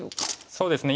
そうですね